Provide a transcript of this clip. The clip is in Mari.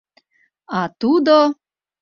А тудо